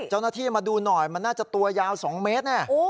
เจ้าหน้าที่มาดูหน่อยมันน่าจะตัวยาว๒เมตรแน่